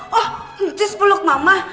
hah oh anjus peluk mama